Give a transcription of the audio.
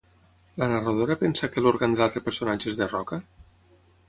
La narradora pensa que l'òrgan de l'altre personatge és de roca?